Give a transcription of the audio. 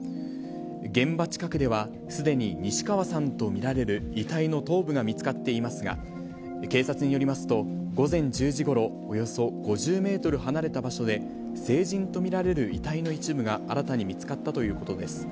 現場近くでは、すでに西川さんと見られる遺体の頭部が見つかっていますが、警察によりますと、午前１０時ごろ、およそ５０メートル離れた場所で、成人と見られる遺体の一部が新たに見つかったということです。